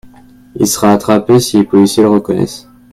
Il sera attrapé si les policiers le reconnaisse.